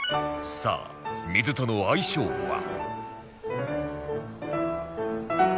さあ水との相性は？